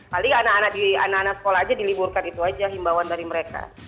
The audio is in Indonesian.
paling anak anak sekolah aja diliburkan itu aja himbauan dari mereka